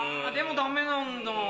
でもダメなんだ。